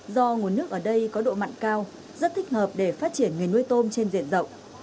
do nguồn nước ở đây có độ mặn cao rất thích hợp để phát triển nghề nuôi tôm trên diện rộng